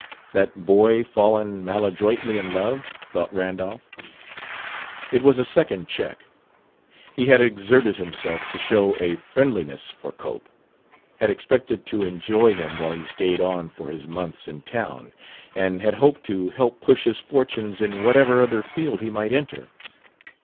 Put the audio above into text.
That boy fallen maladroitly in love? thought Randolph. It was a second check. He had exerted himself to show a friendliness for Cope, had expected to enjoy him while he stayed on for his months in town, and had hoped to help push his fortunes in whatever other field he might enter.